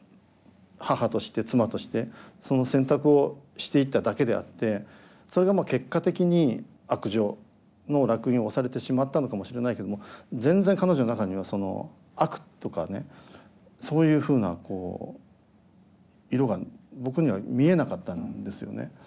母として妻としてその選択をしていっただけであってそれが結果的に悪女の烙印を押されてしまったのかもしれないけども全然彼女の中にはその悪とかねそういうふうな色が僕には見えなかったんですよね。